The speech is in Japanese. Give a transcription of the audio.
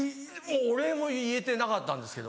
お礼も言えてなかったんですけど。